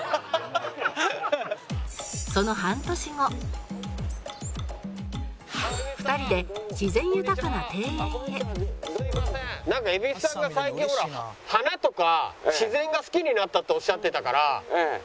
「その半年後」「２人で自然豊かな庭園へ」なんか蛭子さんが最近ほら花とか自然が好きになったっておっしゃってたから。